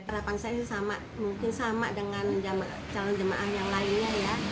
harapan saya sih sama mungkin sama dengan calon jemaah yang lainnya ya